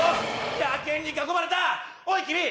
野犬に囲まれたおい君